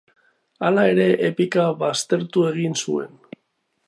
Hala ere, epika baztertu egiten zuen.